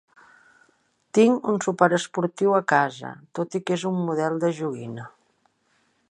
Tinc un superesportiu a casa, tot i que és un model de joguina.